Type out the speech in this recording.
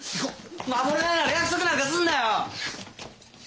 守れないなら約束なんかすんなよ！